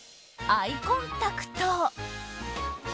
アイコンタクト。